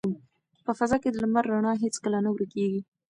په فضا کې د لمر رڼا هیڅکله نه ورکیږي.